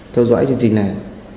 theo dõi chương trình này